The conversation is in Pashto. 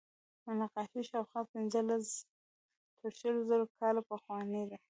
نقاشي شاوخوا پینځلس تر شلو زره کاله پخوانۍ ده.